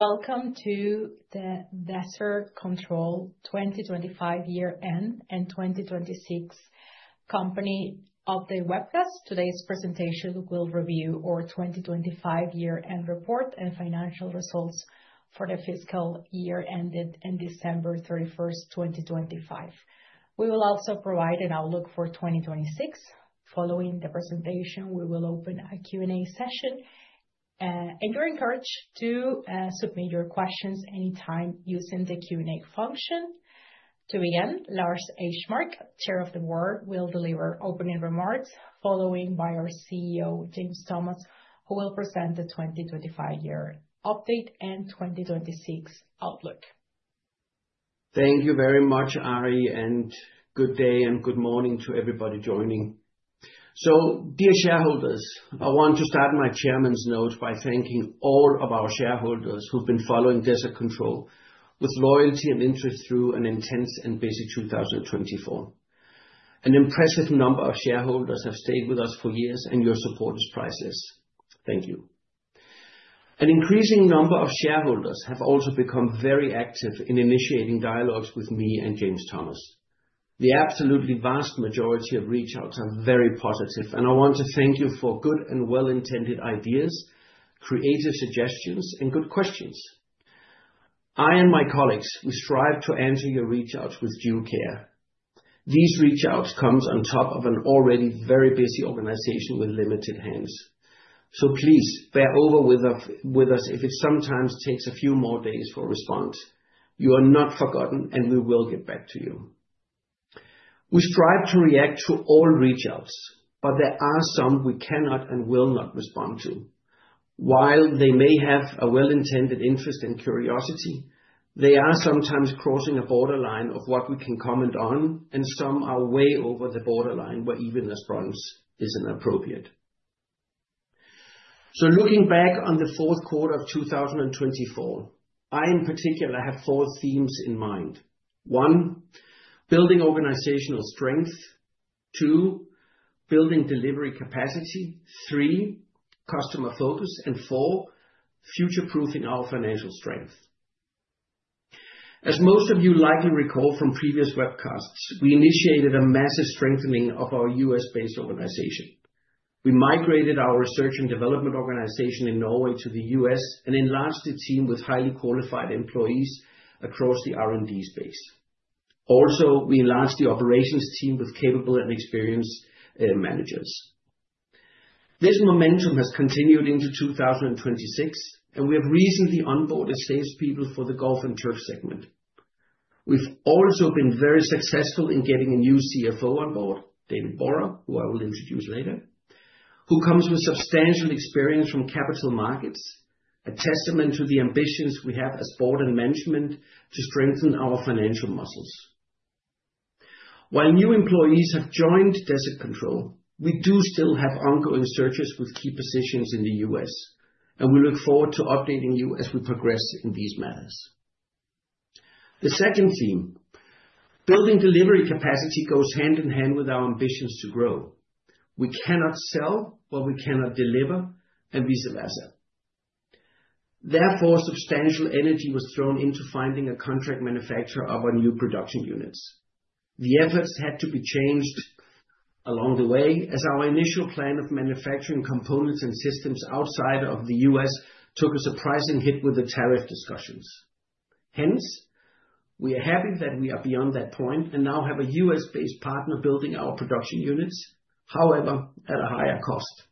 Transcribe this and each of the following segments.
Welcome to the Desert Control 2025 year-end and 2026 outlook webcast. Today's presentation will review our 2025 year-end report and financial results for the fiscal year ended on December 31st, 2025. We will also provide an outlook for 2026. Following the presentation, we will open a Q&A session, and you're encouraged to submit your questions anytime using the Q&A function. To begin, Lars Eismark, Chair of the Board, will deliver opening remarks, followed by our CEO, James Thomas, who will present the 2025 year update and 2026 outlook. Thank you very much, Ari, and good day and good morning to everybody joining. Dear shareholders, I want to start my chairman's note by thanking all of our shareholders who've been following Desert Control with loyalty and interest through an intense and busy 2024. An impressive number of shareholders have stayed with us for years, and your support is priceless. Thank you. An increasing number of shareholders have also become very active in initiating dialogues with me and James Thomas. The absolutely vast majority of reachouts are very positive, and I want to thank you for good and well-intended ideas, creative suggestions, and good questions. I and my colleagues, we strive to answer your reachouts with due care. These reachouts come on top of an already very busy organization with limited hands. Please bear with us if it sometimes takes a few more days for response. You are not forgotten, and we will get back to you. We strive to react to all reachouts, but there are some we cannot and will not respond to. While they may have a well-intended interest and curiosity, they are sometimes crossing a borderline of what we can comment on, and some are way over the borderline where even less response isn't appropriate. Looking back on the fourth quarter of 2024, I in particular have four themes in mind. One, building organizational strength. Two, building delivery capacity. Three, customer focus. And four, future-proofing our financial strength. As most of you likely recall from previous webcasts, we initiated a massive strengthening of our U.S.-based organization. We migrated our research and development organization in Norway to the U.S. and enlarged the team with highly qualified employees across the R&D space. Also, we enlarged the operations team with capable and experienced managers. This momentum has continued into 2026, and we have recently onboarded salespeople for the golf and turf segment. We've also been very successful in getting a new CFO on board, David Borah, who I will introduce later, who comes with substantial experience from capital markets, a testament to the ambitions we have as board and management to strengthen our financial muscles. While new employees have joined Desert Control, we do still have ongoing searches with key positions in the U.S., and we look forward to updating you as we progress in these matters. The second theme, building delivery capacity, goes hand in hand with our ambitions to grow. We cannot sell what we cannot deliver, and vice versa. Therefore, substantial energy was thrown into finding a contract manufacturer of our new production units. The efforts had to be changed along the way as our initial plan of manufacturing components and systems outside of the U.S. took a surprising hit with the tariff discussions. Hence, we are happy that we are beyond that point and now have a U.S.-based partner building our production units, however, at a higher cost.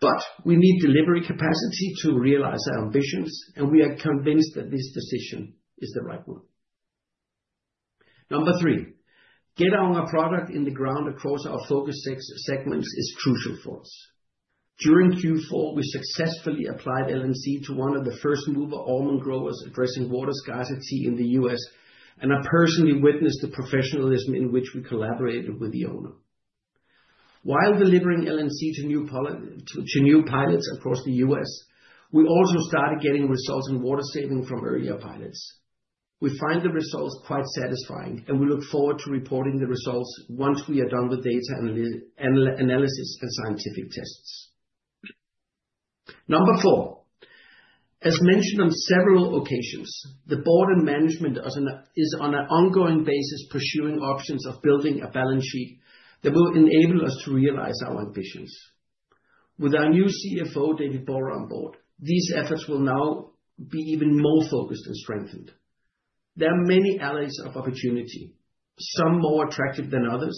But we need delivery capacity to realize our ambitions, and we are convinced that this decision is the right one. Number three, getting our product in the ground across our focus segments is crucial for us. During Q4, we successfully applied LNC to one of the first mover almond growers addressing water scarcity in the U.S., and I personally witnessed the professionalism in which we collaborated with the owner. While delivering LNC to new pilots across the U.S., we also started getting results in water saving from earlier pilots. We find the results quite satisfying, and we look forward to reporting the results once we are done with data analysis and scientific tests. Number four, as mentioned on several occasions, the board and management is on an ongoing basis pursuing options of building a balance sheet that will enable us to realize our ambitions. With our new CFO, David Borah, on board, these efforts will now be even more focused and strengthened. There are many areas of opportunity, some more attractive than others,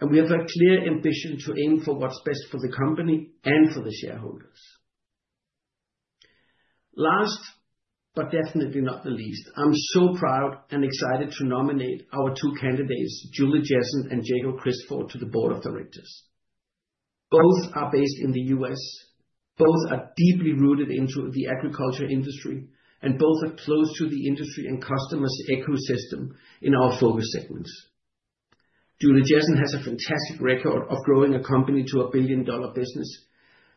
and we have a clear ambition to aim for what's best for the company and for the shareholders. Last but definitely not the least, I'm so proud and excited to nominate our two candidates, Julie Jessen and Jakob Christfort, to the board of directors. Both are based in the U.S., both are deeply rooted into the agriculture industry, and both are close to the industry and customer's ecosystem in our focus segments. Julie Jessen has a fantastic record of growing a company to a billion-dollar business,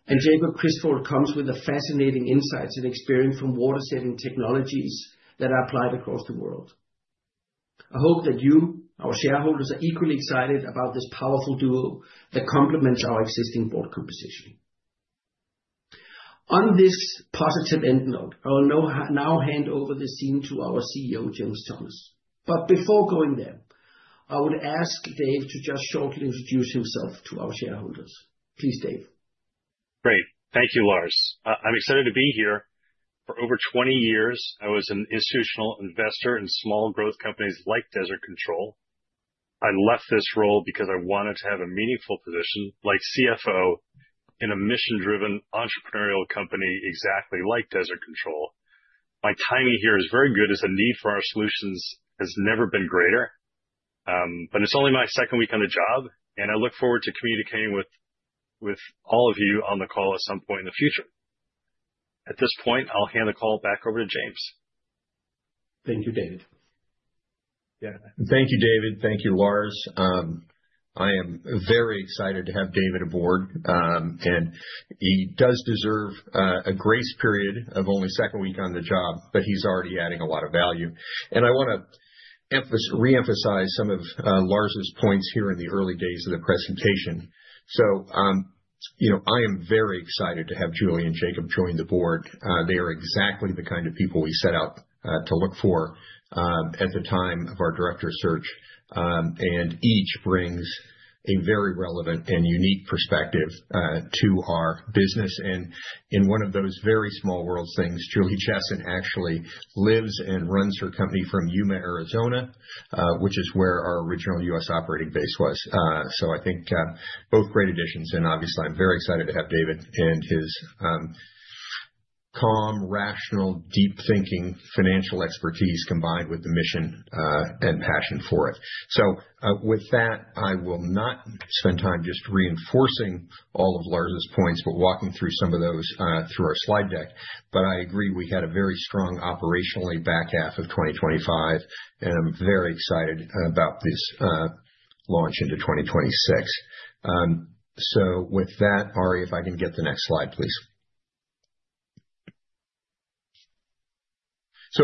and Jakob Christfort comes with fascinating insights and experience from water-saving technologies that are applied across the world. I hope that you, our shareholders, are equally excited about this powerful duo that complements our existing board composition. On this positive end note, I will now hand over the scene to our CEO, James Thomas. But before going there, I would ask Dave to just shortly introduce himself to our shareholders. Please, Dave. Great. Thank you, Lars. I'm excited to be here. For over 20 years, I was an institutional investor in small growth companies like Desert Control. I left this role because I wanted to have a meaningful position like CFO in a mission-driven entrepreneurial company exactly like Desert Control. My timing here is very good as the need for our solutions has never been greater. But it's only my second week on the job, and I look forward to communicating with all of you on the call at some point in the future. At this point, I'll hand the call back over to James. Thank you, David. Yeah. Thank you, David. Thank you, Lars. I am very excited to have David aboard, and he does deserve a grace period of only second week on the job, but he's already adding a lot of value. And I want to reemphasize some of Lars's points here in the early days of the presentation. So I am very excited to have Julie and Jacob join the board. They are exactly the kind of people we set out to look for at the time of our director search, and each brings a very relevant and unique perspective to our business. And in one of those very small worlds things, Julie Jessen actually lives and runs her company from Yuma, Arizona, which is where our original U.S. operating base was. So I think both great additions, and obviously, I'm very excited to have David and his calm, rational, deep-thinking financial expertise combined with the mission and passion for it. So with that, I will not spend time just reinforcing all of Lars's points but walking through some of those through our slide deck. But I agree we had a very strong operationally back half of 2025, and I'm very excited about this launch into 2026. So with that, Ari, if I can get the next slide, please. So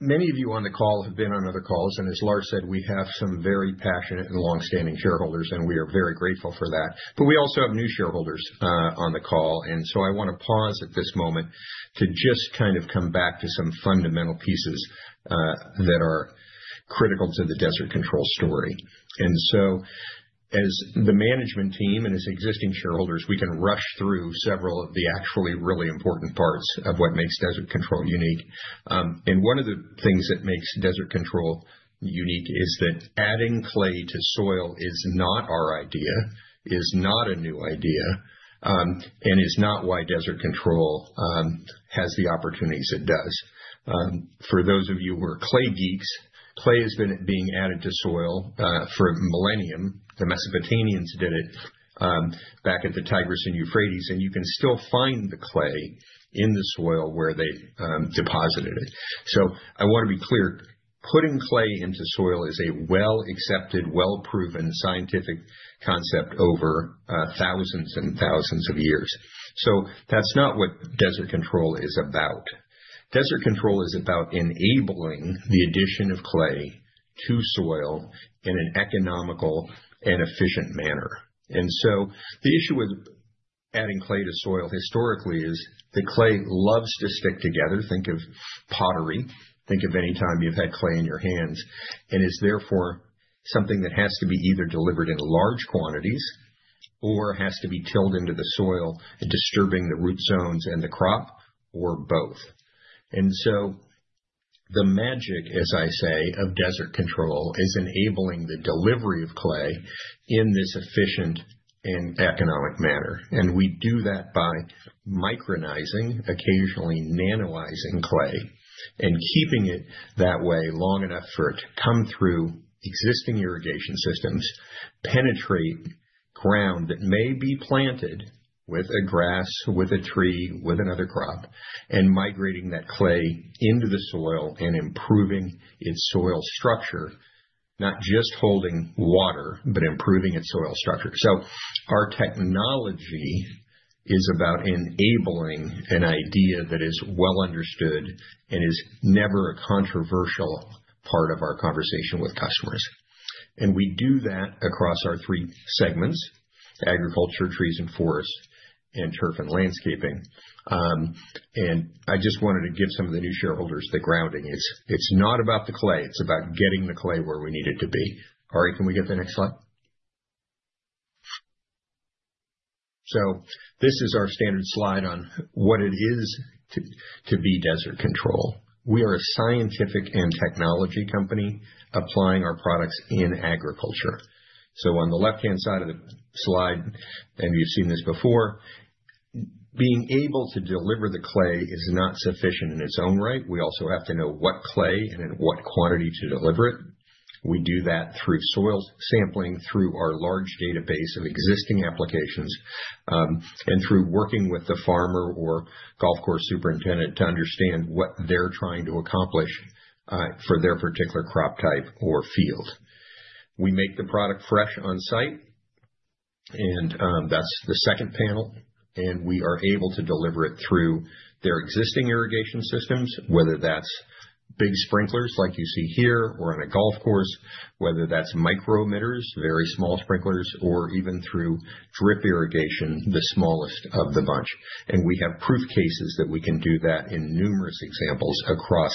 many of you on the call have been on other calls, and as Lars said, we have some very passionate and longstanding shareholders, and we are very grateful for that. But we also have new shareholders on the call, and so I want to pause at this moment to just kind of come back to some fundamental pieces that are critical to the Desert Control story. So as the management team and as existing shareholders, we can rush through several of the actually really important parts of what makes Desert Control unique. One of the things that makes Desert Control unique is that adding clay to soil is not our idea, is not a new idea, and is not why Desert Control has the opportunities it does. For those of you who are clay geeks, clay has been being added to soil for a millennium. The Mesopotamians did it back at the Tigris and Euphrates, and you can still find the clay in the soil where they deposited it. So I want to be clear. Putting clay into soil is a well-accepted, well-proven scientific concept over thousands and thousands of years. So that's not what Desert Control is about. Desert Control is about enabling the addition of clay to soil in an economical and efficient manner. And so the issue with adding clay to soil historically is that clay loves to stick together. Think of pottery. Think of anytime you've had clay in your hands and is therefore something that has to be either delivered in large quantities or has to be tilled into the soil, disturbing the root zones and the crop or both. And so the magic, as I say, of Desert Control is enabling the delivery of clay in this efficient and economic manner. We do that by micronizing, occasionally nanolizing clay, and keeping it that way long enough for it to come through existing irrigation systems, penetrate ground that may be planted with a grass, with a tree, with another crop, and migrating that clay into the soil and improving its soil structure, not just holding water but improving its soil structure. Our technology is about enabling an idea that is well understood and is never a controversial part of our conversation with customers. We do that across our three segments: agriculture, trees and forest, and turf and landscaping. I just wanted to give some of the new shareholders the grounding. It's not about the clay. It's about getting the clay where we need it to be. Ari, can we get the next slide? So this is our standard slide on what it is to be Desert Control. We are a scientific and technology company applying our products in agriculture. So on the left-hand side of the slide, and you've seen this before, being able to deliver the clay is not sufficient in its own right. We also have to know what clay and in what quantity to deliver it. We do that through soil sampling, through our large database of existing applications, and through working with the farmer or golf course superintendent to understand what they're trying to accomplish for their particular crop type or field. We make the product fresh on site, and that's the second panel. And we are able to deliver it through their existing irrigation systems, whether that's big sprinklers like you see here or on a golf course, whether that's micro emitters, very small sprinklers, or even through drip irrigation, the smallest of the bunch. We have proof cases that we can do that in numerous examples across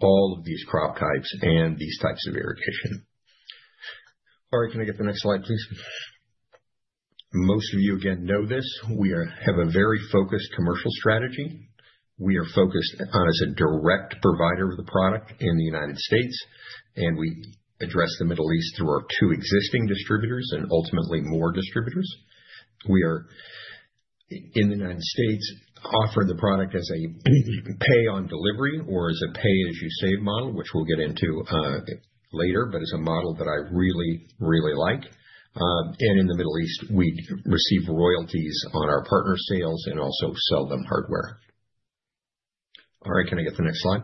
all of these crop types and these types of irrigation. Ari, can I get the next slide, please? Most of you, again, know this. We have a very focused commercial strategy. We are focused on as a direct provider of the product in the United States, and we address the Middle East through our two existing distributors and ultimately more distributors. We are in the United States offer the product as a pay-on-delivery or as a pay-as-you-save model, which we'll get into later, but as a model that I really, really like. In the Middle East, we receive royalties on our partner sales and also sell them hardware. Ari, can I get the next slide?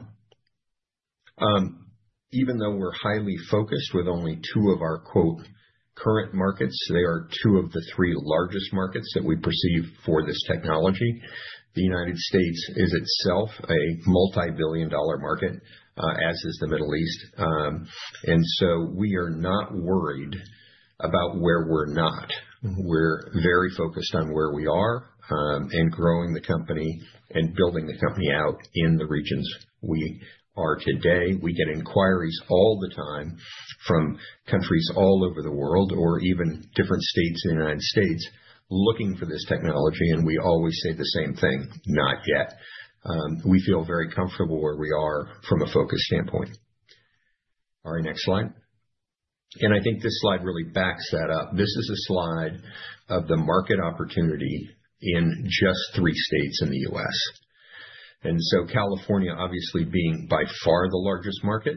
Even though we're highly focused with only two of our "current markets," they are two of the three largest markets that we perceive for this technology. The United States is itself a multibillion-dollar market, as is the Middle East. And so we are not worried about where we're not. We're very focused on where we are and growing the company and building the company out in the regions we are today. We get inquiries all the time from countries all over the world or even different states in the United States looking for this company, and we always say the same thing: not yet. We feel very comfortable where we are from a focus standpoint. Ari, next slide. I think this slide really backs that up. This is a slide of the market opportunity in just three states in the U.S. And so California, obviously, being by far the largest market,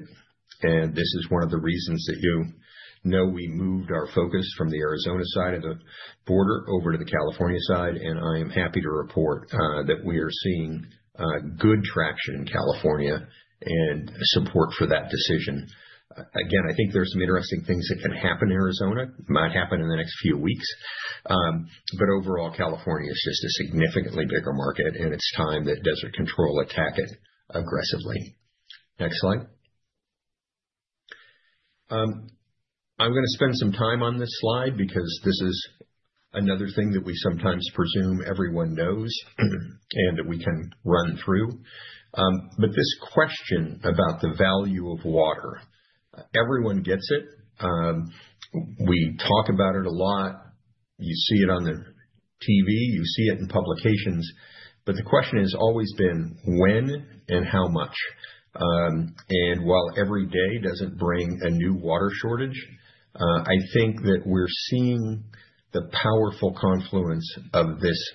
and this is one of the reasons that you know we moved our focus from the Arizona side of the border over to the California side, and I am happy to report that we are seeing good traction in California and support for that decision. Again, I think there are some interesting things that can happen in Arizona, might happen in the next few weeks. But overall, California is just a significantly bigger market, and it's time that Desert Control attack it aggressively. Next slide. I'm going to spend some time on this slide because this is another thing that we sometimes presume everyone knows and that we can run through. But this question about the value of water, everyone gets it. We talk about it a lot. You see it on the TV. You see it in publications. But the question has always been when and how much. And while every day doesn't bring a new water shortage, I think that we're seeing the powerful confluence of this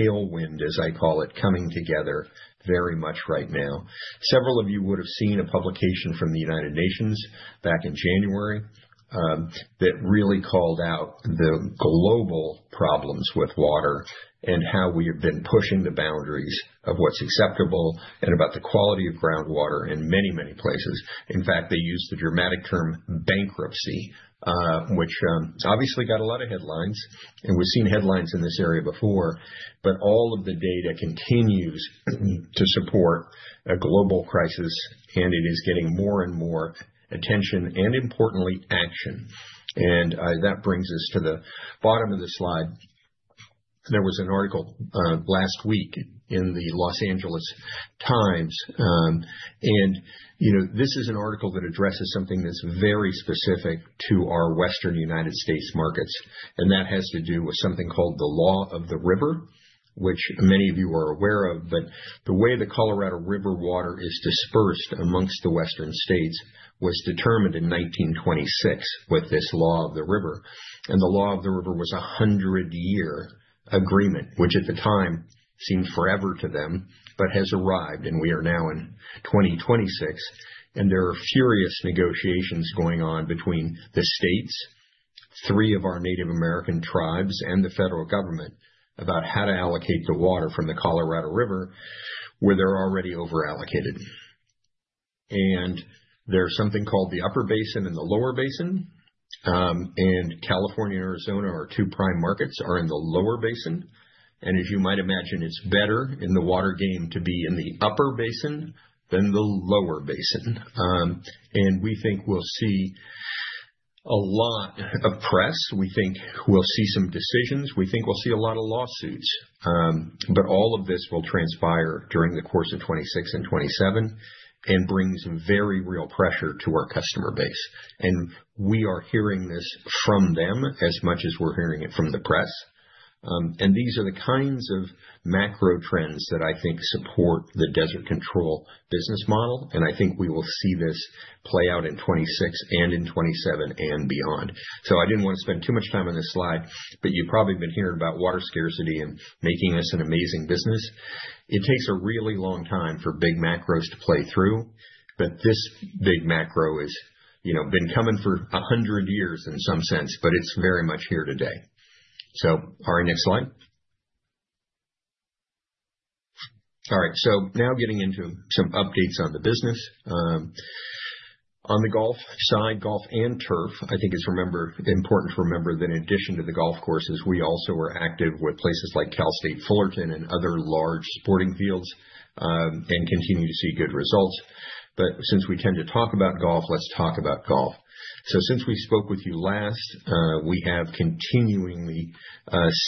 tailwind, as I call it, coming together very much right now. Several of you would have seen a publication from the United Nations back in January that really called out the global problems with water and how we have been pushing the boundaries of what's acceptable and about the quality of groundwater in many, many places. In fact, they used the dramatic term bankruptcy, which obviously got a lot of headlines, and we've seen headlines in this area before. But all of the data continues to support a global crisis, and it is getting more and more attention and, importantly, action. And that brings us to the bottom of the slide. There was an article last week in the Los Angeles Times. This is an article that addresses something that's very specific to our Western United States markets, and that has to do with something called the Law of the River, which many of you are aware of. But the way the Colorado River water is dispersed among the Western states was determined in 1926 with this Law of the River. The Law of the River was a 100-year agreement, which at the time seemed forever to them but has arrived, and we are now in 2026. There are furious negotiations going on between the states, three of our Native American tribes, and the federal government about how to allocate the water from the Colorado River, where they're already overallocated. There's something called the Upper Basin and the Lower Basin. California and Arizona are two prime markets. They are in the Lower Basin. As you might imagine, it's better in the water game to be in the Upper Basin than the Lower Basin. We think we'll see a lot of press. We think we'll see some decisions. We think we'll see a lot of lawsuits. But all of this will transpire during the course of 2026 and 2027 and brings very real pressure to our customer base. We are hearing this from them as much as we're hearing it from the press. These are the kinds of macro trends that I think support the Desert Control business model, and I think we will see this play out in 2026 and in 2027 and beyond. So I didn't want to spend too much time on this slide, but you've probably been hearing about water scarcity and making this an amazing business. It takes a really long time for big macros to play through, but this big macro has been coming for 100 years in some sense, but it's very much here today. So Ari, next slide. All right. So now getting into some updates on the business. On the golf side, golf and turf, I think it's important to remember that in addition to the golf courses, we also are active with places like Cal State Fullerton and other large sporting fields and continue to see good results. But since we tend to talk about golf, let's talk about golf. So since we spoke with you last, we have continuously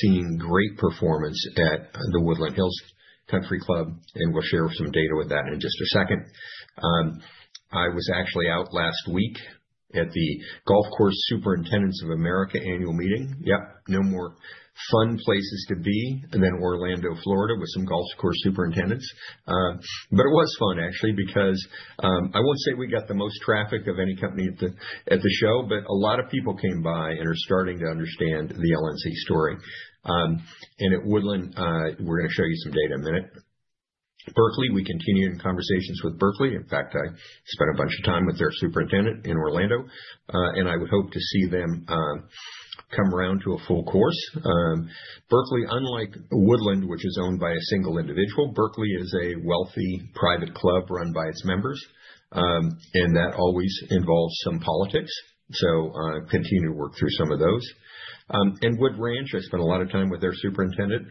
seen great performance at the Woodland Hills Country Club, and we'll share some data with that in just a second. I was actually out last week at the Golf Course Superintendents Association of America annual meeting. Yep. No more fun places to be than Orlando, Florida, with some golf course superintendents. But it was fun, actually, because I won't say we got the most traffic of any company at the show, but a lot of people came by and are starting to understand the LNC story. And at Woodland, we're going to show you some data in a minute. Berkeley, we continue in conversations with Berkeley. In fact, I spent a bunch of time with their superintendent in Orlando, and I would hope to see them come around to a full course. Berkeley, unlike Woodland, which is owned by a single individual, Berkeley is a wealthy private club run by its members, and that always involves some politics. So I continue to work through some of those. Wood Ranch, I spent a lot of time with their superintendent.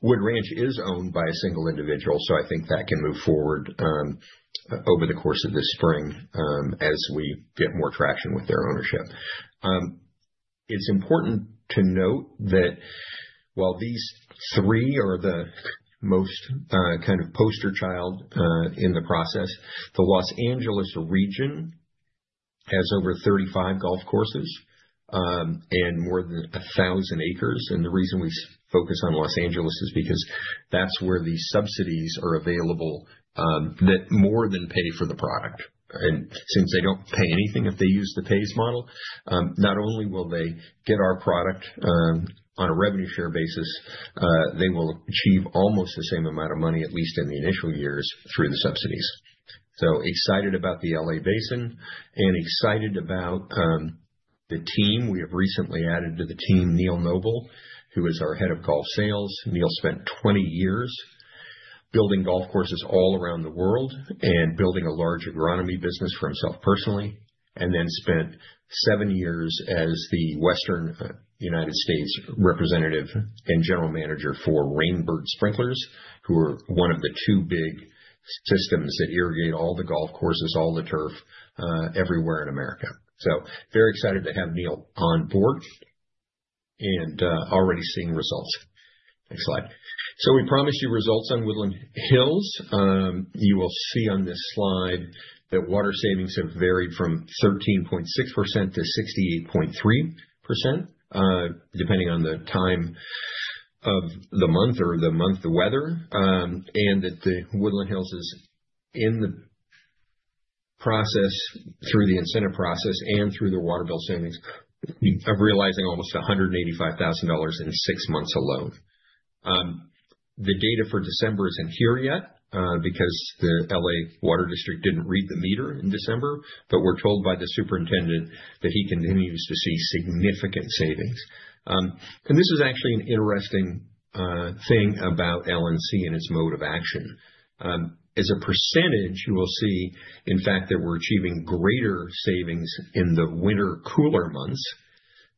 Wood Ranch is owned by a single individual, so I think that can move forward over the course of this spring as we get more traction with their ownership. It's important to note that while these three are the most kind of poster child in the process, the Los Angeles region has over 35 golf courses and more than 1,000 acres. The reason we focus on Los Angeles is because that's where the subsidies are available that more than pay for the product. And since they don't pay anything if they use the PAYS model, not only will they get our product on a revenue share basis, they will achieve almost the same amount of money, at least in the initial years, through the subsidies. So excited about the L.A. Basin and excited about the team. We have recently added to the team Neal Noble, who is our Head of Golf Sales. Neal spent 20 years building golf courses all around the world and building a large agronomy business for himself personally and then spent 7 years as the Western United States Representative and General Manager for Rain Bird Sprinklers, who are one of the 2 big systems that irrigate all the golf courses, all the turf, everywhere in America. So very excited to have Neil on board and already seeing results. Next slide. So we promised you results on Woodland Hills. You will see on this slide that water savings have varied from 13.6%-68.3%, depending on the time of the month or the month the weather, and that Woodland Hills is in the process through the incentive process and through their water bill savings of realizing almost $185,000 in six months alone. The data for December isn't here yet because the Los Angeles Department of Water and Power didn't read the meter in December, but we're told by the superintendent that he continues to see significant savings. This is actually an interesting thing about LNC and its mode of action. As a percentage, you will see, in fact, that we're achieving greater savings in the winter cooler months.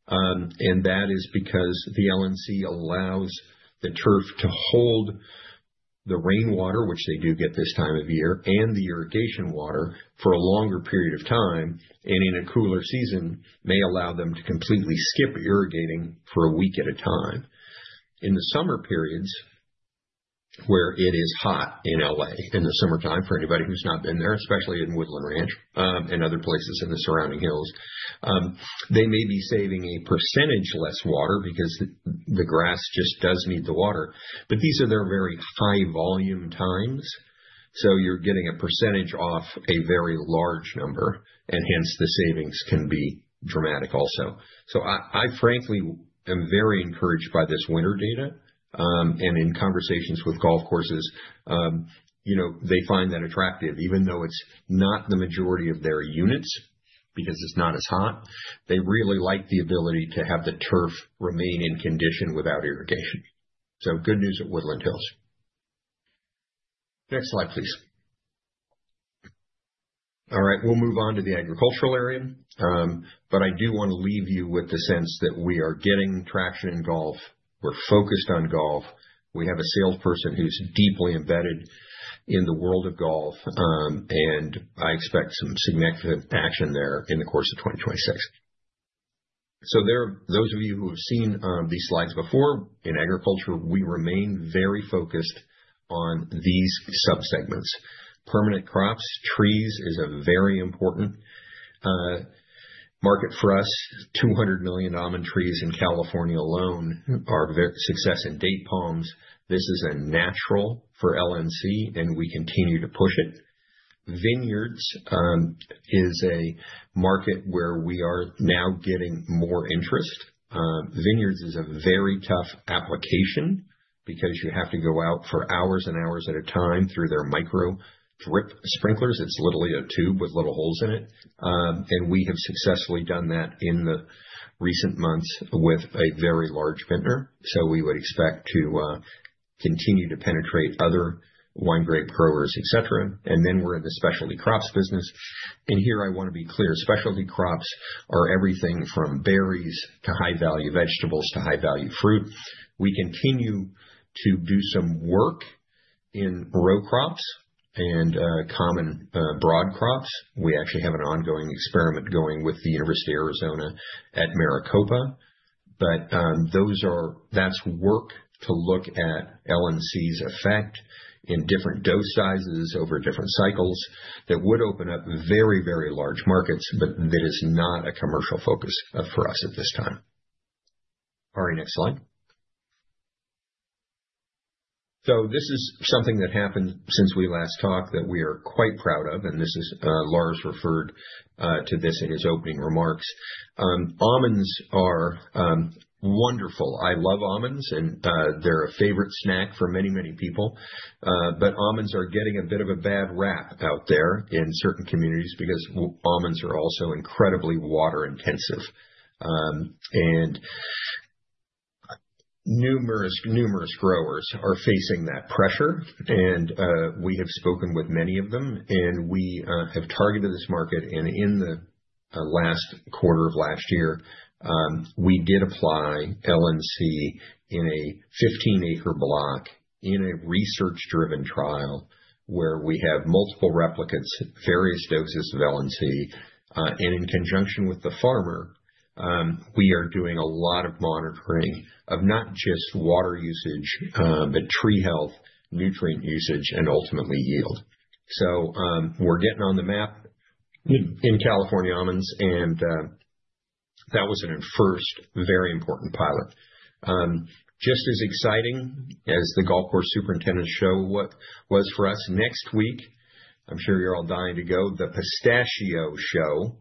And that is because the LNC allows the turf to hold the rainwater, which they do get this time of year, and the irrigation water for a longer period of time, and in a cooler season may allow them to completely skip irrigating for a week at a time. In the summer periods where it is hot in L.A. in the summertime for anybody who's not been there, especially in Woodland Ranch and other places in the surrounding hills, they may be saving a percentage less water because the grass just does need the water. But these are their very high-volume times, so you're getting a percentage off a very large number, and hence, the savings can be dramatic also. So I, frankly, am very encouraged by this winter data. And in conversations with golf courses, they find that attractive, even though it's not the majority of their units because it's not as hot. They really like the ability to have the turf remain in condition without irrigation. So good news at Woodland Hills. Next slide, please. All right. We'll move on to the agricultural area. But I do want to leave you with the sense that we are getting traction in golf. We're focused on golf. We have a salesperson who's deeply embedded in the world of golf, and I expect some significant action there in the course of 2026. So those of you who have seen these slides before, in agriculture, we remain very focused on these subsegments. Permanent crops, trees is a very important market for us. 200 million almond trees in California alone are success in date palms. This is a natural for LNC, and we continue to push it. Vineyards is a market where we are now getting more interest. Vineyards is a very tough application because you have to go out for hours and hours at a time through their micro drip sprinklers. It's literally a tube with little holes in it. We have successfully done that in the recent months with a very large vintner. We would expect to continue to penetrate other wine grape growers, etc. Then we're in the specialty crops business. Here, I want to be clear. Specialty crops are everything from berries to high-value vegetables to high-value fruit. We continue to do some work in row crops and common broad crops. We actually have an ongoing experiment going with the University of Arizona at Maricopa. But that's work to look at LNC's effect in different dose sizes over different cycles that would open up very, very large markets, but that is not a commercial focus for us at this time. Ari, next slide. So this is something that happened since we last talked that we are quite proud of, and Lars referred to this in his opening remarks. Almonds are wonderful. I love almonds, and they're a favorite snack for many, many people. But almonds are getting a bit of a bad rap out there in certain communities because almonds are also incredibly water-intensive. Numerous growers are facing that pressure, and we have spoken with many of them. We have targeted this market. In the last quarter of last year, we did apply LNC in a 15-acre block in a research-driven trial where we have multiple replicates, various doses of LNC. In conjunction with the farmer, we are doing a lot of monitoring of not just water usage but tree health, nutrient usage, and ultimately yield. We're getting on the map in California almonds, and that was a first, very important pilot. Just as exciting as the Golf Course Superintendents Show was for us, next week, I'm sure you're all dying to go, the Pistachio Show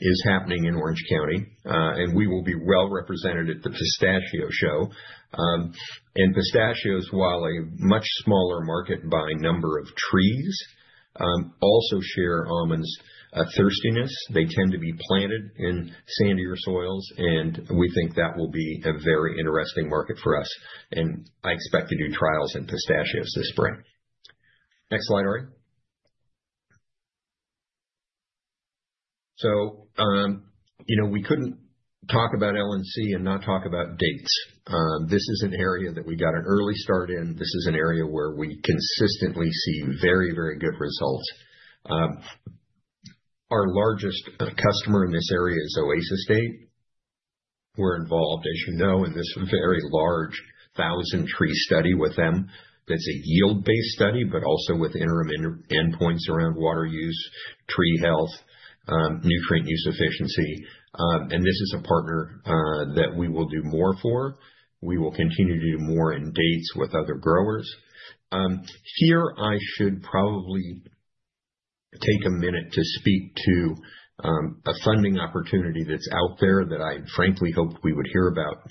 is happening in Orange County, and we will be well represented at the Pistachio Show. Pistachios, while a much smaller market by number of trees, also share almonds' thirstiness. They tend to be planted in sandier soils, and we think that will be a very interesting market for us. I expect to do trials in pistachios this spring. Next slide, Ari. We couldn't talk about LNC and not talk about dates. This is an area that we got an early start in. This is an area where we consistently see very, very good results. Our largest customer in this area is Oasis Date. We're involved, as you know, in this very large 1,000-tree study with them. That's a yield-based study but also with interim endpoints around water use, tree health, nutrient use efficiency. And this is a partner that we will do more for. We will continue to do more in dates with other growers. Here, I should probably take a minute to speak to a funding opportunity that's out there that I, frankly, hoped we would hear about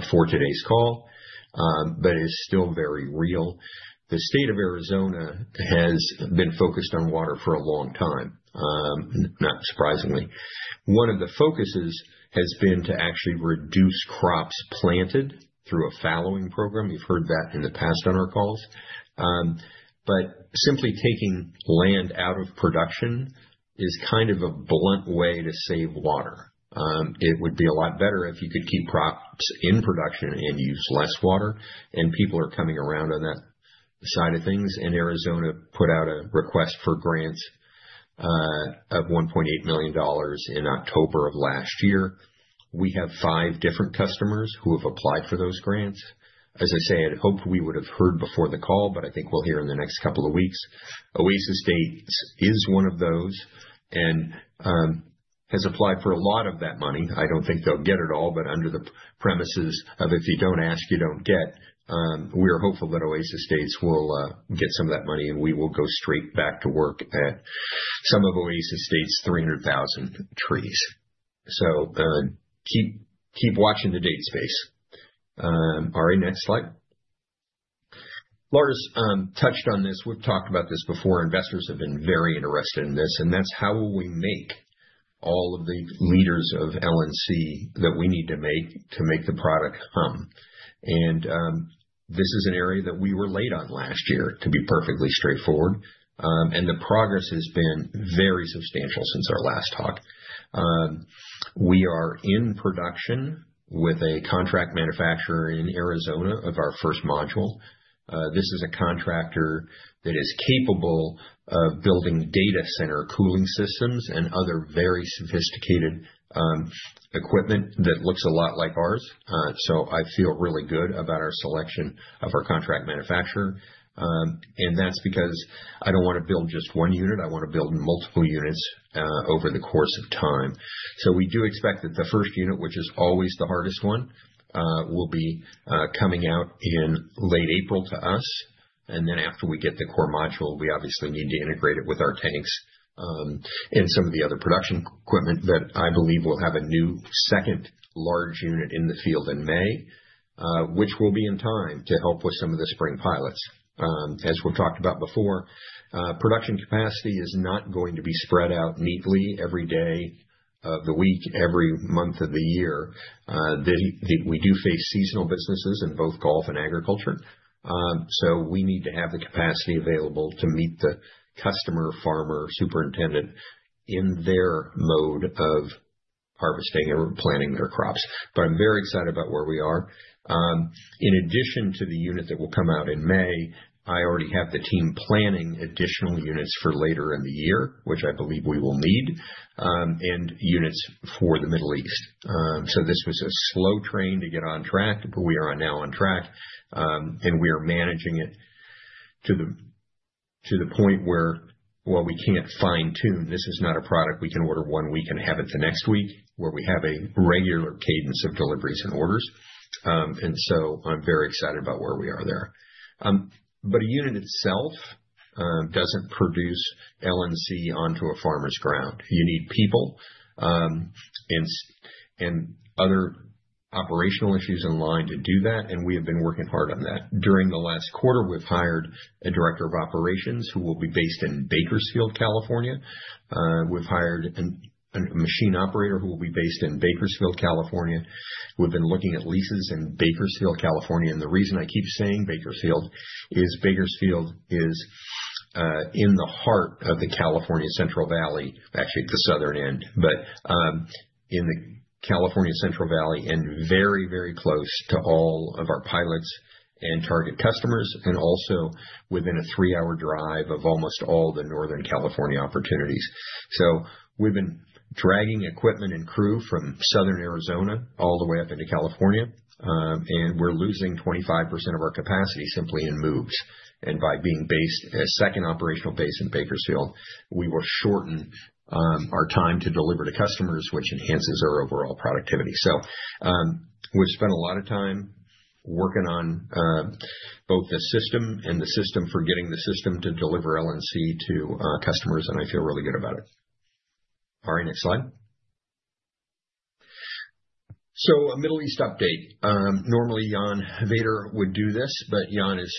before today's call but is still very real. The state of Arizona has been focused on water for a long time, not surprisingly. One of the focuses has been to actually reduce crops planted through a fallowing program. You've heard that in the past on our calls. But simply taking land out of production is kind of a blunt way to save water. It would be a lot better if you could keep crops in production and use less water, and people are coming around on that side of things. Arizona put out a request for grants of $1.8 million in October of last year. We have five different customers who have applied for those grants. As I say, I'd hoped we would have heard before the call, but I think we'll hear in the next couple of weeks. Oasis Date is one of those and has applied for a lot of that money. I don't think they'll get it all, but under the premises of, "If you don't ask, you don't get," we are hopeful that Oasis Date will get some of that money, and we will go straight back to work at some of Oasis Date's 300,000 trees. So keep watching the datespace. Ari, next slide. Lars touched on this. We've talked about this before. Investors have been very interested in this, and that's how will we make all of the liters of LNC that we need to make to make the product hum. And this is an area that we were late on last year, to be perfectly straightforward, and the progress has been very substantial since our last talk. We are in production with a contract manufacturer in Arizona of our first module. This is a contractor that is capable of building data center cooling systems and other very sophisticated equipment that looks a lot like ours. So I feel really good about our selection of our contract manufacturer. And that's because I don't want to build just one unit. I want to build multiple units over the course of time. So we do expect that the first unit, which is always the hardest one, will be coming out in late April to us. And then after we get the core module, we obviously need to integrate it with our tanks and some of the other production equipment. But I believe we'll have a new second large unit in the field in May, which will be in time to help with some of the spring pilots. As we've talked about before, production capacity is not going to be spread out neatly every day of the week, every month of the year. We do face seasonal businesses in both golf and agriculture, so we need to have the capacity available to meet the customer, farmer, superintendent in their mode of harvesting or planting their crops. But I'm very excited about where we are. In addition to the unit that will come out in May, I already have the team planning additional units for later in the year, which I believe we will need, and units for the Middle East. So this was a slow train to get on track, but we are now on track, and we are managing it to the point where, while we can't fine-tune, this is not a product we can order one week and have it the next week, where we have a regular cadence of deliveries and orders. And so I'm very excited about where we are there. But a unit itself doesn't produce LNC onto a farmer's ground. You need people and other operational issues in line to do that, and we have been working hard on that. During the last quarter, we've hired a director of operations who will be based in Bakersfield, California. We've hired a machine operator who will be based in Bakersfield, California. We've been looking at leases in Bakersfield, California. And the reason I keep saying Bakersfield is, Bakersfield is in the heart of the California Central Valley, actually, the southern end, but in the California Central Valley and very, very close to all of our pilots and target customers and also within a 3-hour drive of almost all the Northern California opportunities. So we've been dragging equipment and crew from southern Arizona all the way up into California, and we're losing 25% of our capacity simply in moves. And by being based a second operational base in Bakersfield, we will shorten our time to deliver to customers, which enhances our overall productivity. So we've spent a lot of time working on both the system and the system for getting the system to deliver LNC to customers, and I feel really good about it. Ari, next slide. So a Middle East update. Normally, Jan Vader would do this, but Jan is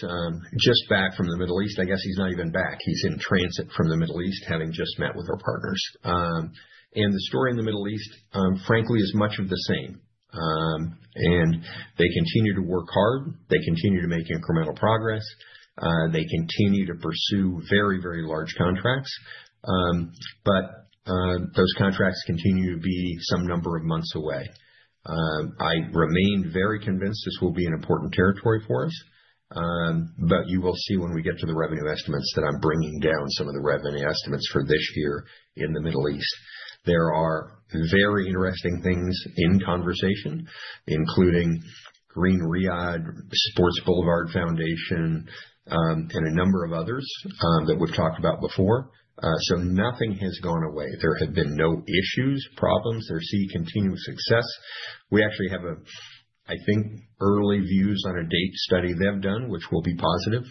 just back from the Middle East. I guess he's not even back. He's in transit from the Middle East, having just met with our partners. The story in the Middle East, frankly, is much of the same. They continue to work hard. They continue to make incremental progress. They continue to pursue very, very large contracts. But those contracts continue to be some number of months away. I remain very convinced this will be an important territory for us, but you will see when we get to the revenue estimates that I'm bringing down some of the revenue estimates for this year in the Middle East. There are very interesting things in conversation, including Green Riyadh Sports Boulevard Foundation and a number of others that we've talked about before. Nothing has gone away. There have been no issues, problems. They're seeing continuous success. We actually have a, I think, early views on a dates study they've done, which will be positive,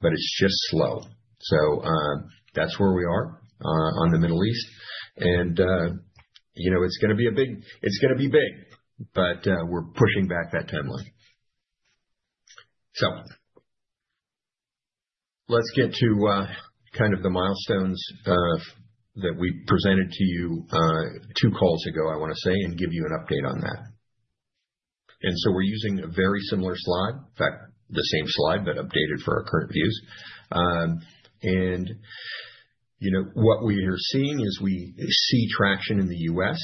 but it's just slow. So that's where we are on the Middle East. It's going to be a big it's going to be big, but we're pushing back that timeline. Let's get to kind of the milestones that we presented to you two calls ago, I want to say, and give you an update on that. We're using a very similar slide in fact, the same slide but updated for our current views. What we are seeing is we see traction in the U.S.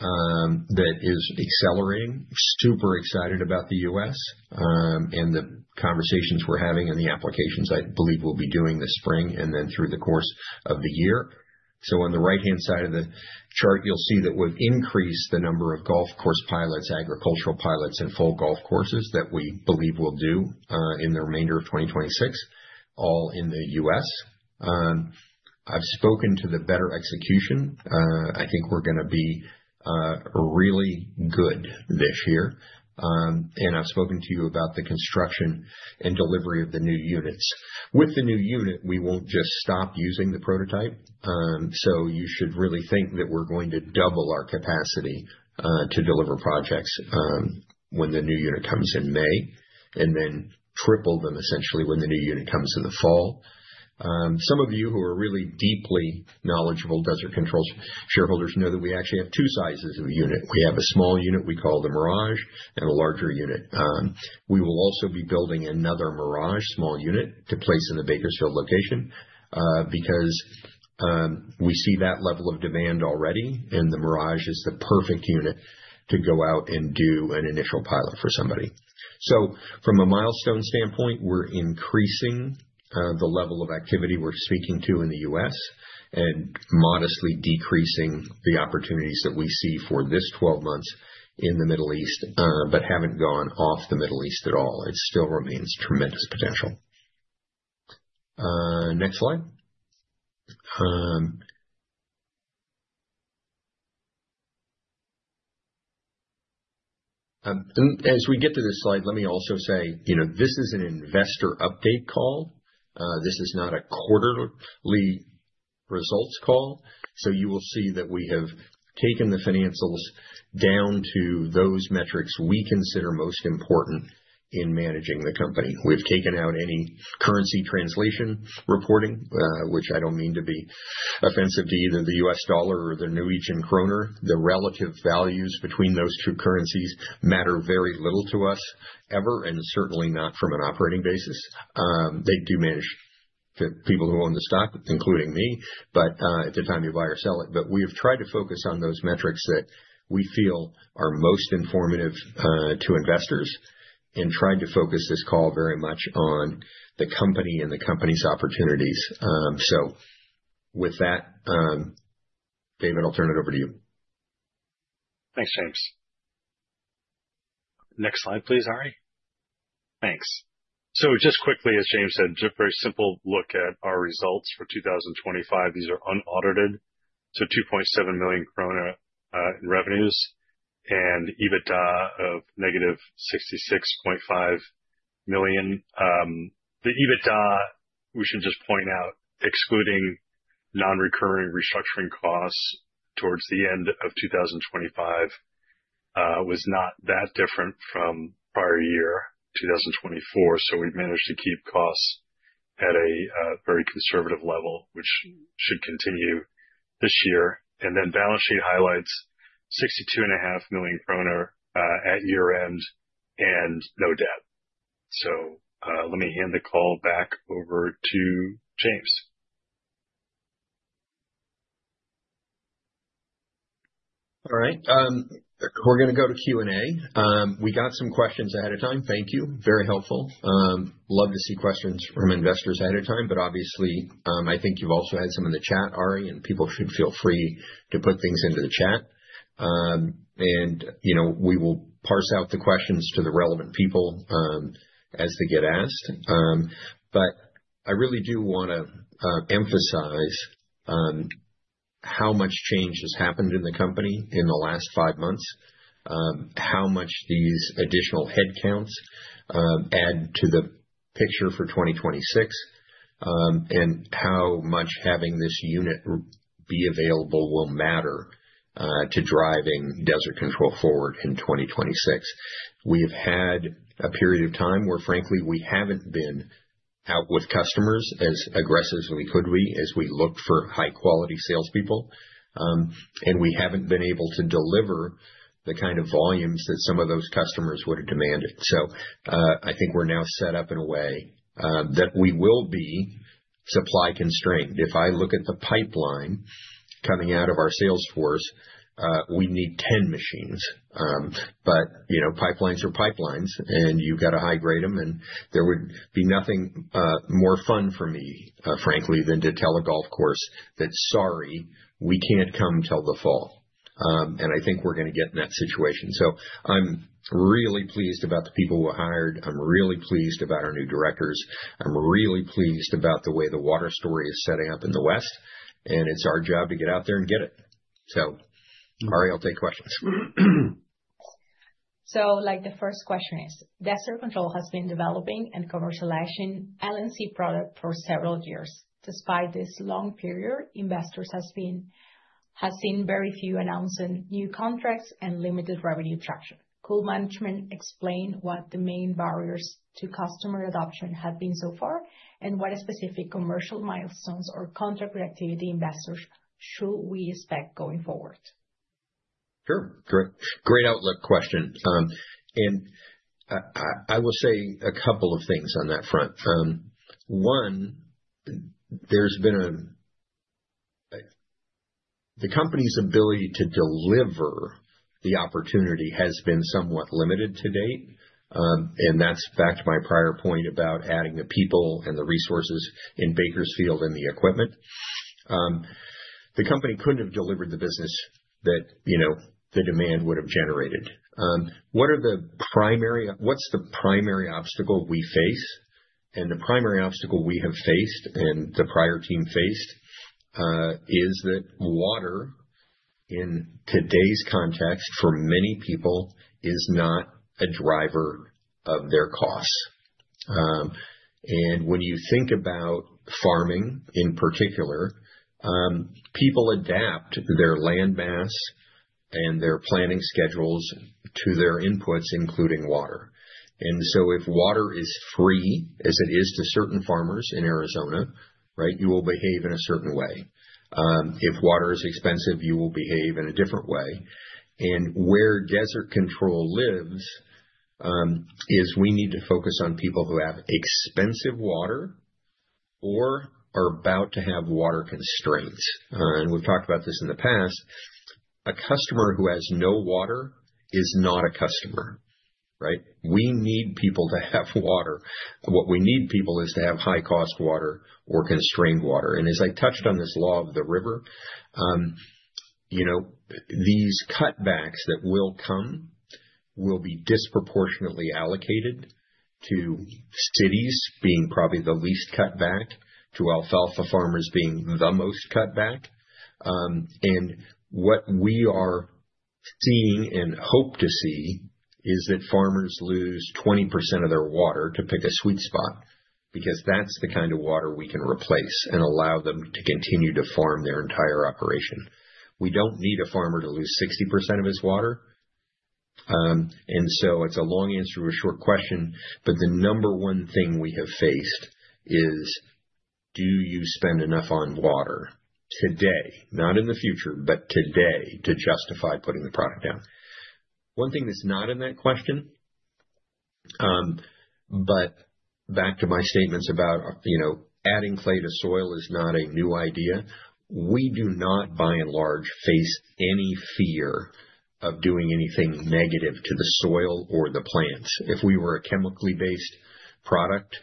that is accelerating. Super excited about the U.S. and the conversations we're having and the applications I believe we'll be doing this spring and then through the course of the year. On the right-hand side of the chart, you'll see that we've increased the number of golf course pilots, agricultural pilots, and full golf courses that we believe we'll do in the remainder of 2026, all in the U.S. I've spoken to the better execution. I think we're going to be really good this year. I've spoken to you about the construction and delivery of the new units. With the new unit, we won't just stop using the prototype. So you should really think that we're going to double our capacity to deliver projects when the new unit comes in May and then triple them, essentially, when the new unit comes in the fall. Some of you who are really deeply knowledgeable Desert Control shareholders know that we actually have two sizes of a unit. We have a small unit we call the Mirage and a larger unit. We will also be building another Mirage, small unit, to place in the Bakersfield location because we see that level of demand already, and the Mirage is the perfect unit to go out and do an initial pilot for somebody. So from a milestone standpoint, we're increasing the level of activity we're speaking to in the U.S. and modestly decreasing the opportunities that we see for this 12 months in the Middle East but haven't gone off the Middle East at all. It still remains tremendous potential. Next slide. As we get to this slide, let me also say this is an investor update call. This is not a quarterly results call. So you will see that we have taken the financials down to those metrics we consider most important in managing the company. We've taken out any currency translation reporting, which I don't mean to be offensive to either the US dollar or the Norwegian krone. The relative values between those two currencies matter very little to us ever and certainly not from an operating basis. They do manage people who own the stock, including me, at the time you buy or sell it. But we have tried to focus on those metrics that we feel are most informative to investors and tried to focus this call very much on the company and the company's opportunities. So with that, David, I'll turn it over to you. Thanks, James. Next slide, please, Ari. Thanks. So just quickly, as James said, just a very simple look at our results for 2025. These are unaudited. So 2.7 million krone in revenues and EBITDA of -66.5 million. The EBITDA, we should just point out, excluding non-recurring restructuring costs towards the end of 2025, was not that different from prior year, 2024. So we've managed to keep costs at a very conservative level, which should continue this year. And then balance sheet highlights 62.5 million kroner at year-end and no debt. So let me hand the call back over to James. All right. We're going to go to Q&A. We got some questions ahead of time. Thank you. Very helpful. Love to see questions from investors ahead of time. But obviously, I think you've also had some in the chat, Ari, and people should feel free to put things into the chat. And we will parse out the questions to the relevant people as they get asked. But I really do want to emphasize how much change has happened in the company in the last five months, how much these additional headcounts add to the picture for 2026, and how much having this unit be available will matter to driving Desert Control forward in 2026. We have had a period of time where, frankly, we haven't been out with customers as aggressive as we could be as we looked for high-quality salespeople, and we haven't been able to deliver the kind of volumes that some of those customers would have demanded. So I think we're now set up in a way that we will be supply constrained. If I look at the pipeline coming out of our sales force, we need 10 machines. But pipelines are pipelines, and you've got to high-grade them. And there would be nothing more fun for me, frankly, than to tell a golf course that, "Sorry, we can't come till the fall." And I think we're going to get in that situation. So I'm really pleased about the people we're hired. I'm really pleased about our new directors. I'm really pleased about the way the water story is setting up in the West, and it's our job to get out there and get it. So, Ari, I'll take questions. So the first question is, Desert Control has been developing and commercializing LNC products for several years. Despite this long period, investors have seen very few announcements of new contracts and limited revenue traction. Could management explain what the main barriers to customer adoption have been so far and what specific commercial milestones or contract productivity investors should we expect going forward? Sure. Great outlook question. I will say a couple of things on that front. One, the company's ability to deliver the opportunity has been somewhat limited to date. And that's back to my prior point about adding the people and the resources in Bakersfield and the equipment. The company couldn't have delivered the business that the demand would have generated. What's the primary obstacle we face? And the primary obstacle we have faced and the prior team faced is that water, in today's context, for many people, is not a driver of their costs. And when you think about farming in particular, people adapt their land mass and their planning schedules to their inputs, including water. And so if water is free, as it is to certain farmers in Arizona, right, you will behave in a certain way. If water is expensive, you will behave in a different way. Where Desert Control lives is we need to focus on people who have expensive water or are about to have water constraints. We've talked about this in the past. A customer who has no water is not a customer, right? We need people to have water. What we need people is to have high-cost water or constrained water. As I touched on this Law of the River, these cutbacks that will come will be disproportionately allocated to cities being probably the least cutback, to alfalfa farmers being the most cutback. What we are seeing and hope to see is that farmers lose 20% of their water to pick a sweet spot because that's the kind of water we can replace and allow them to continue to farm their entire operation. We don't need a farmer to lose 60% of his water. And so it's a long answer to a short question. But the number one thing we have faced is, do you spend enough on water today, not in the future, but today to justify putting the product down? One thing that's not in that question but back to my statements about adding clay to soil is not a new idea. We do not, by and large, face any fear of doing anything negative to the soil or the plants. If we were a chemically-based product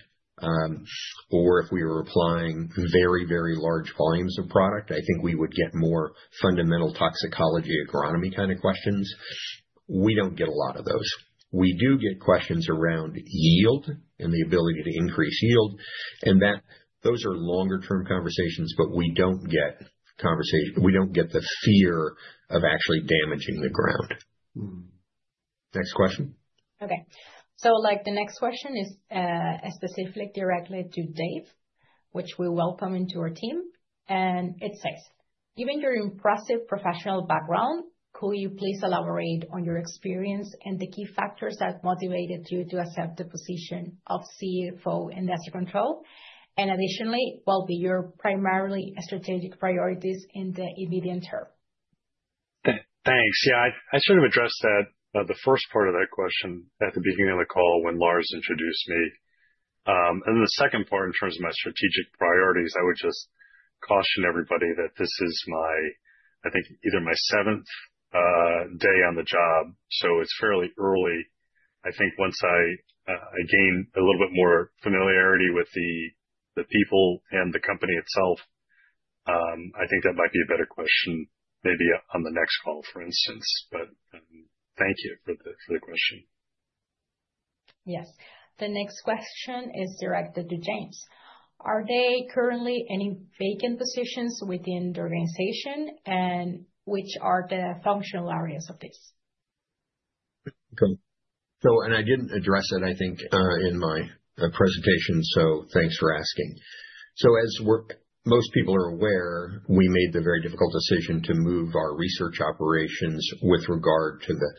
or if we were applying very, very large volumes of product, I think we would get more fundamental toxicology agronomy kind of questions. We don't get a lot of those. We do get questions around yield and the ability to increase yield. Those are longer-term conversations, but we don't get the fear of actually damaging the ground. Next question. Okay. So the next question is specific, directly to Dave, which we welcome into our team. And it says, "Given your impressive professional background, could you please elaborate on your experience and the key factors that motivated you to accept the position of CFO in Desert Control and additionally, what will be your primary strategic priorities in the immediate term?" Thanks. Yeah, I sort of addressed the first part of that question at the beginning of the call when Lars introduced me. And then the second part, in terms of my strategic priorities, I would just caution everybody that this is, I think, either my seventh day on the job, so it's fairly early. I think once I gain a little bit more familiarity with the people and the company itself, I think that might be a better question maybe on the next call, for instance. But thank you for the question. Yes. The next question is directed to James. "Are there currently any vacant positions within the organization, and which are the functional areas of this?" Okay. And I didn't address it, I think, in my presentation, so thanks for asking. So as most people are aware, we made the very difficult decision to move our research operations with regard to the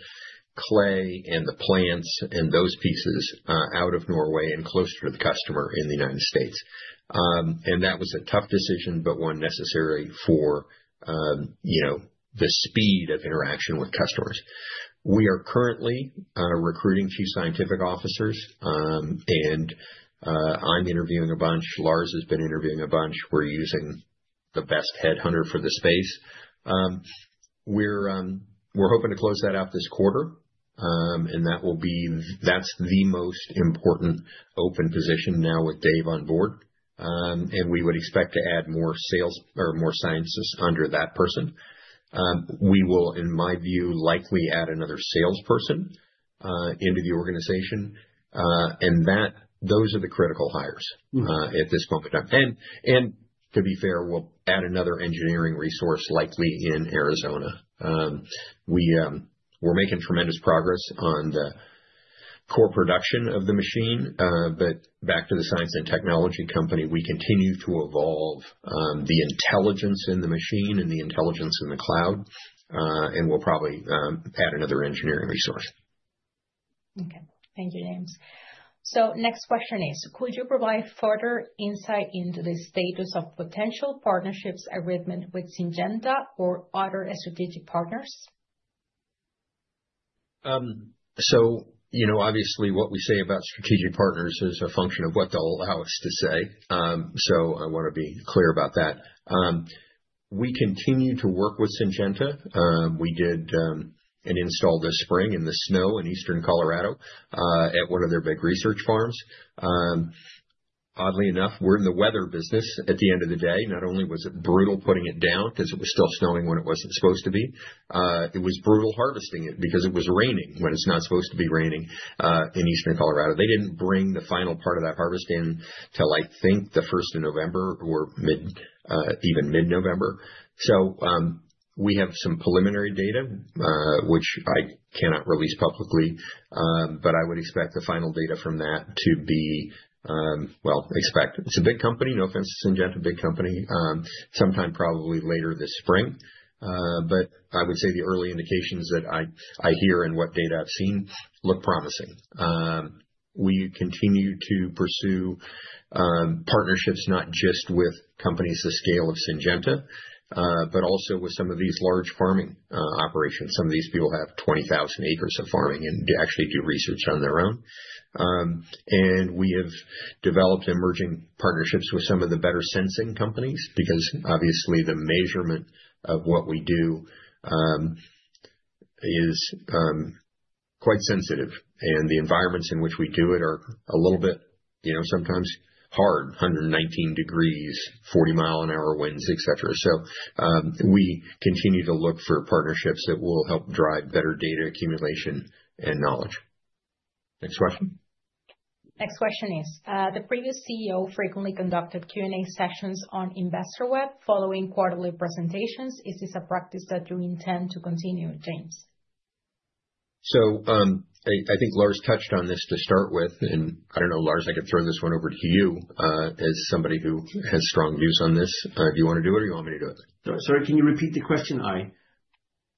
clay and the plants and those pieces out of Norway and closer to the customer in the United States. And that was a tough decision but one necessary for the speed of interaction with customers. We are currently recruiting chief scientific officers, and I'm interviewing a bunch. Lars has been interviewing a bunch. We're using the best headhunter for the space. We're hoping to close that out this quarter, and that's the most important open position now with Dave on board. And we would expect to add more sales or more scientists under that person. We will, in my view, likely add another salesperson into the organization. And those are the critical hires at this moment. And to be fair, we'll add another engineering resource, likely in Arizona. We're making tremendous progress on the core production of the machine. But back to the science and technology company, we continue to evolve the intelligence in the machine and the intelligence in the cloud, and we'll probably add another engineering resource. Okay. Thank you, James. So next question is, "Could you provide further insight into the status of potential partnerships arriving with Syngenta or other strategic partners?" Obviously, what we say about strategic partners is a function of what they'll allow us to say. So I want to be clear about that. We continue to work with Syngenta. We did an install this spring in the snow in eastern Colorado at one of their big research farms. Oddly enough, we're in the weather business at the end of the day. Not only was it brutal putting it down because it was still snowing when it wasn't supposed to be, it was brutal harvesting it because it was raining when it's not supposed to be raining in eastern Colorado. They didn't bring the final part of that harvest in till, I think, the 1st of November or even mid-November. So we have some preliminary data, which I cannot release publicly, but I would expect the final data from that to be well expected. It's a big company. No offense, Syngenta, big company. Sometime probably later this spring. But I would say the early indications that I hear and what data I've seen look promising. We continue to pursue partnerships not just with companies the scale of Syngenta but also with some of these large farming operations. Some of these people have 20,000 acres of farming and actually do research on their own. And we have developed emerging partnerships with some of the better sensing companies because, obviously, the measurement of what we do is quite sensitive, and the environments in which we do it are a little bit sometimes hard: 119 degrees Fahrenheit, 40-mile-an-hour winds, etc. So we continue to look for partnerships that will help drive better data accumulation and knowledge. Next question. Next question is, "The previous CEO frequently conducted Q&A sessions on InvestorWeb following quarterly presentations. Is this a practice that you intend to continue, James?" So I think Lars touched on this to start with. And I don't know, Lars, I could throw this one over to you as somebody who has strong views on this. Do you want to do it, or do you want me to do it? Sorry, can you repeat the question, Ari?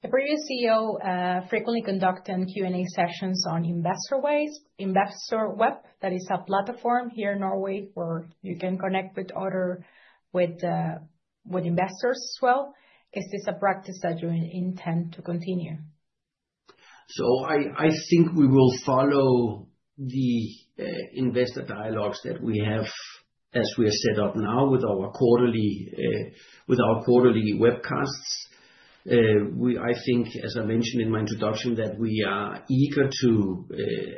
The previous CEO frequently conducted Q&A sessions on InvestorWeb. That is a platform here in Norway where you can connect with investors as well. Is this a practice that you intend to continue? So I think we will follow the investor dialogues that we have as we are set up now with our quarterly webcasts. I think, as I mentioned in my introduction, that we are eager to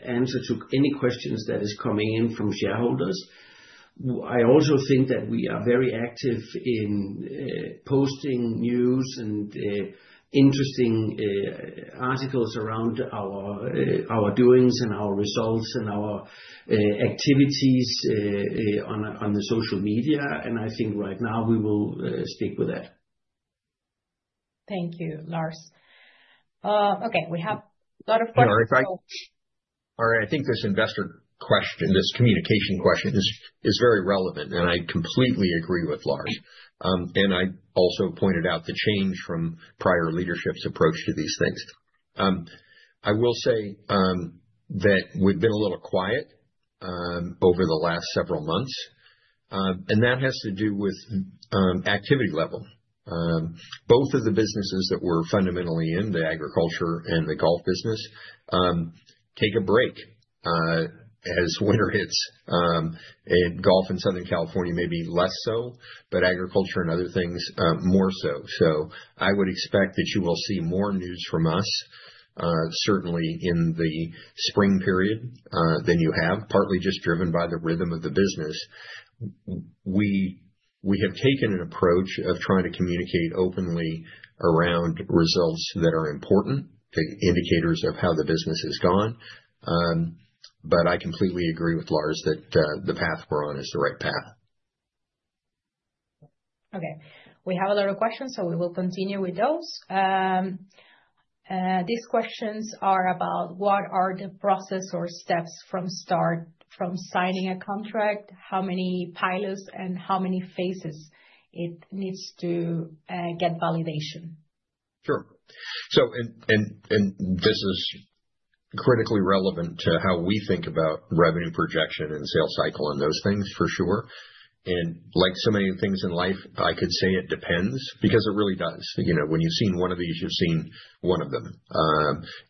answer any questions that are coming in from shareholders. I also think that we are very active in posting news and interesting articles around our doings and our results and our activities on the social media. And I think right now, we will stick with that. Thank you, Lars. Okay, we have a lot of questions, so. Ari, I think this investor question, this communication question, is very relevant, and I completely agree with Lars. And I also pointed out the change from prior leadership's approach to these things. I will say that we've been a little quiet over the last several months, and that has to do with activity level. Both of the businesses that we're fundamentally in, the agriculture and the golf business, take a break as winter hits. Golf in Southern California may be less so, but agriculture and other things more so. So I would expect that you will see more news from us, certainly in the spring period, than you have, partly just driven by the rhythm of the business. We have taken an approach of trying to communicate openly around results that are important, indicators of how the business has gone. But I completely agree with Lars that the path we're on is the right path. Okay. We have a lot of questions, so we will continue with those. These questions are about, "What are the process or steps from signing a contract? How many pilots and how many phases it needs to get validation?" Sure. And this is critically relevant to how we think about revenue projection and sales cycle and those things, for sure. And like so many things in life, I could say it depends because it really does. When you've seen one of these, you've seen one of them.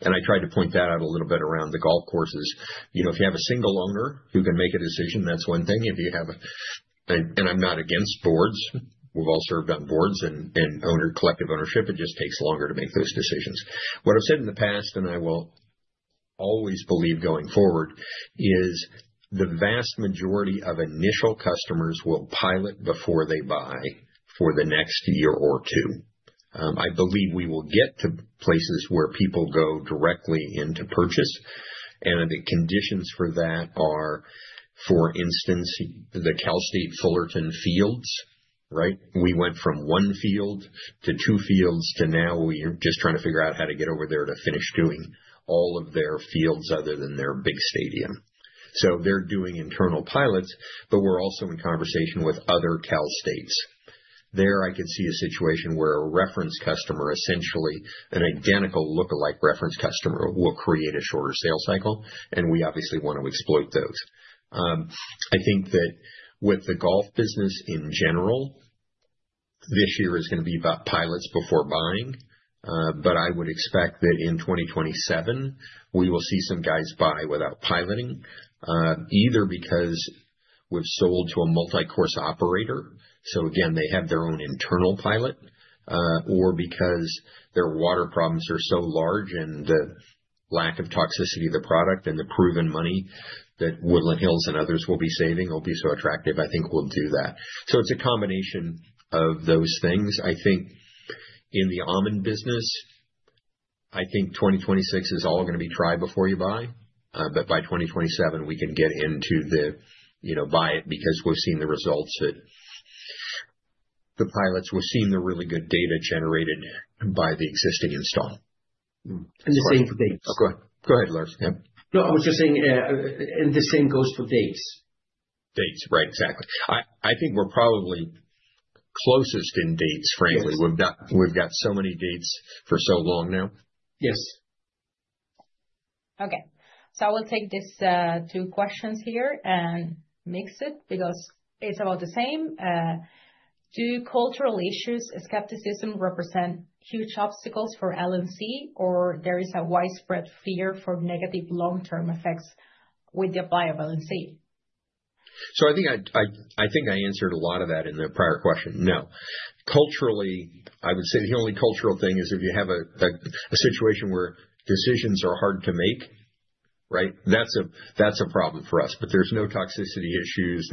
And I tried to point that out a little bit around the golf courses. If you have a single owner who can make a decision, that's one thing. And I'm not against boards. We've all served on boards and collective ownership. It just takes longer to make those decisions. What I've said in the past, and I will always believe going forward, is the vast majority of initial customers will pilot before they buy for the next year or two. I believe we will get to places where people go directly into purchase. And the conditions for that are, for instance, the Cal State Fullerton fields, right? We went from one field to two fields to now we're just trying to figure out how to get over there to finish doing all of their fields other than their big stadium. So they're doing internal pilots, but we're also in conversation with other Cal States. There, I could see a situation where a reference customer, essentially an identical lookalike reference customer, will create a shorter sales cycle. And we obviously want to exploit those. I think that with the golf business in general, this year is going to be about pilots before buying. But I would expect that in 2027, we will see some guys buy without piloting, either because we've sold to a multi-course operator, so again, they have their own internal pilot, or because their water problems are so large and the lack of toxicity of the product and the proven money that Woodland Hills and others will be saving will be so attractive, I think, will do that. So it's a combination of those things. I think in the almond business, I think 2026 is all going to be try before you buy. But by 2027, we can get into the buy it because we've seen the results of the pilots. We've seen the really good data generated by the existing install. And the same for dates. Oh, go ahead. Go ahead, Lars. Yeah. No, I was just saying, and the same goes for dates. Dates, right, exactly. I think we're probably closest in dates, frankly. We've got so many dates for so long now. Yes. Okay. So I will take these two questions here and mix it because it's about the same. "Do cultural issues, skepticism, represent huge obstacles for LNC, or there is a widespread fear for negative long-term effects with the apply of LNC?" So I think I answered a lot of that in the prior question. No. Culturally, I would say the only cultural thing is if you have a situation where decisions are hard to make, right, that's a problem for us. But there's no toxicity issues.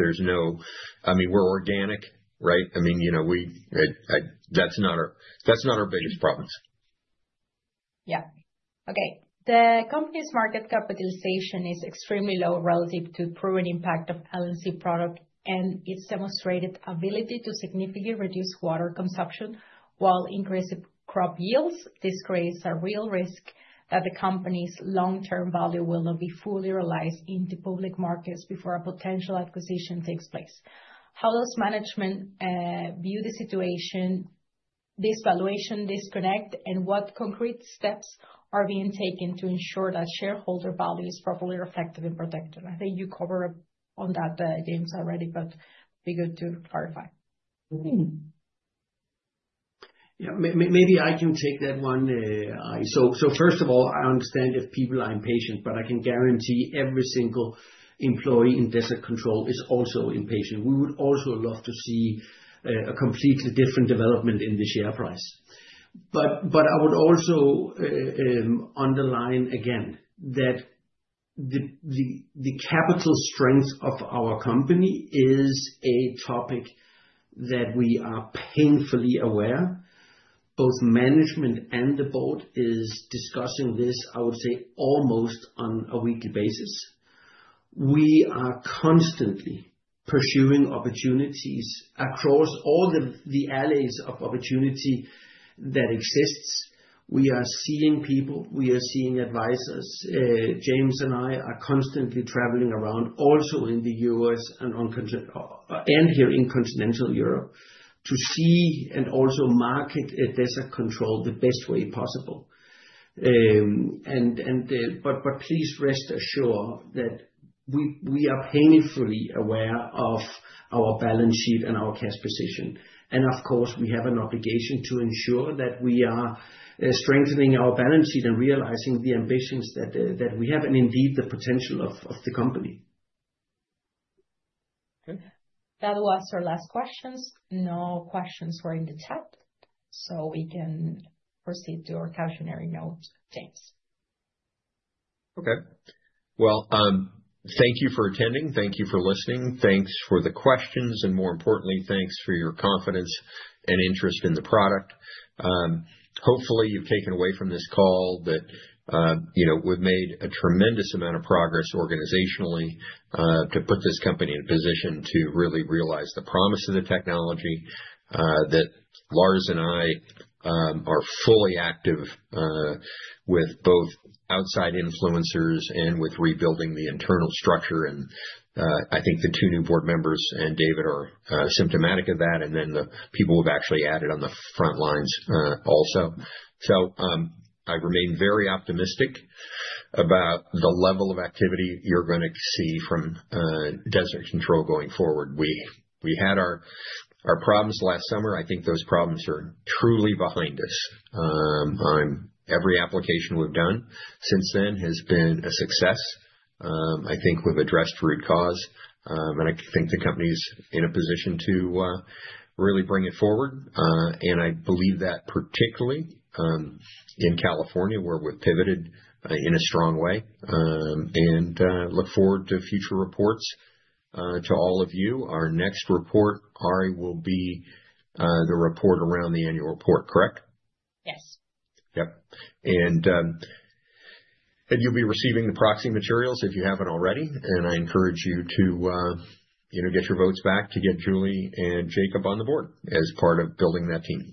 I mean, we're organic, right? I mean, that's not our biggest problems. Yeah. Okay. "The company's market capitalization is extremely low relative to proven impact of LNC product and its demonstrated ability to significantly reduce water consumption while increasing crop yields. This creates a real risk that the company's long-term value will not be fully realized in the public markets before a potential acquisition takes place. How does management view this situation, this valuation disconnect, and what concrete steps are being taken to ensure that shareholder value is properly reflected and protected? I think you covered on that, James, already, but it'd be good to clarify. Yeah, maybe I can take that one. So first of all, I understand if people are impatient, but I can guarantee every single employee in Desert Control is also impatient. We would also love to see a completely different development in the share price. But I would also underline, again, that the capital strength of our company is a topic that we are painfully aware. Both management and the board is discussing this, I would say, almost on a weekly basis. We are constantly pursuing opportunities across all the alleys of opportunity that exists. We are seeing people. We are seeing advisors. James and I are constantly traveling around, also in the U.S. and here in Continental Europe, to see and also market Desert Control the best way possible. Please rest assured that we are painfully aware of our balance sheet and our cash position. Of course, we have an obligation to ensure that we are strengthening our balance sheet and realizing the ambitions that we have and indeed the potential of the company. Okay. That was our last questions. No questions were in the chat, so we can proceed to our cautionary note, James. Okay. Well, thank you for attending. Thank you for listening. Thanks for the questions. More importantly, thanks for your confidence and interest in the product. Hopefully, you've taken away from this call that we've made a tremendous amount of progress organizationally to put this company in a position to really realize the promise of the technology, that Lars and I are fully active with both outside influencers and with rebuilding the internal structure. I think the two new board members and David are symptomatic of that, and then the people who have actually added on the front lines also. I remain very optimistic about the level of activity you're going to see from Desert Control going forward. We had our problems last summer. I think those problems are truly behind us. Every application we've done since then has been a success. I think we've addressed root cause, and I think the company's in a position to really bring it forward. I believe that particularly in California, where we've pivoted in a strong way. And look forward to future reports to all of you. Our next report, Ari, will be the report around the annual report, correct? Yes. Yep. You'll be receiving the proxy materials if you haven't already. I encourage you to get your votes back to get Julie and Jacob on the board as part of building that team.